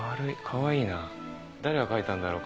かわいい。